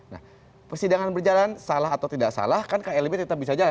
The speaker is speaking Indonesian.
nah persidangan berjalan salah atau tidak salah kan klb tetap bisa jalan